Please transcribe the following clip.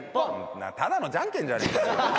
ただのじゃんけんじゃねえか。